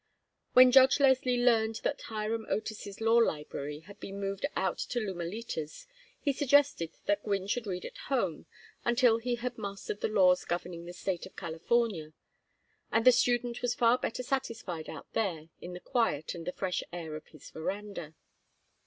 When Judge Leslie learned that Hiram Otis's law library had been moved out to Lumalitas he suggested that Gwynne should read at home until he had mastered the laws governing the State of California, and the student was far better satisfied out there in the quiet and the fresh air of his veranda.